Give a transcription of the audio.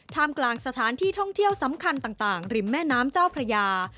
กลางสถานที่ท่องเที่ยวสำคัญต่างริมแม่น้ำเจ้าพระยา